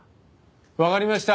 わかりました。